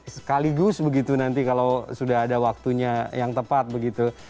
sekaligus begitu nanti kalau sudah ada waktunya yang tepat begitu